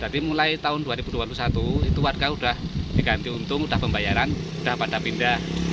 jadi mulai tahun dua ribu dua puluh satu itu warga sudah diganti untung sudah pembayaran sudah pada pindah